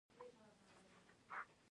د غزني مڼې د ساتلو لپاره ښې دي.